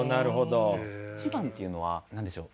一番っていうのは何でしょう